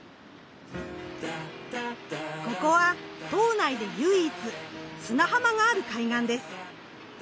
ここは島内で唯一砂浜がある海岸です。